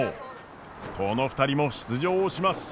この２人も出場します！